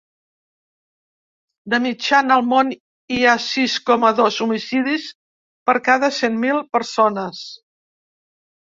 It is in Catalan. De mitjana al món hi ha sis coma dos homicidis per cada cent mil persones.